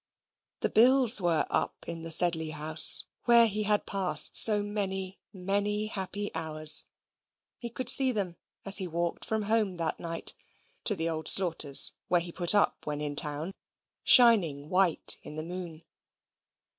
The bills were up in the Sedley house, where he had passed so many, many happy hours. He could see them as he walked from home that night (to the Old Slaughters', where he put up when in town) shining white in the moon.